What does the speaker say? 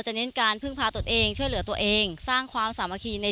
ชาวนาในพื้นที่เข้ารวมกลุ่มและสร้างอำนาจต่อรองได้